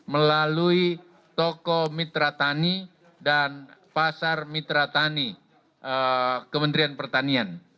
melalui toko mitra tani dan pasar mitra tani kementerian pertanian